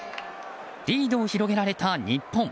リードを広げられた日本。